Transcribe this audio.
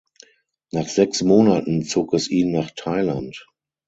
Nach sechs Monaten zog es ihn nach Thailand.